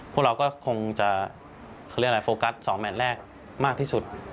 พวกเราก็คงจะโฟกัส๒แมทแรกมากที่สุด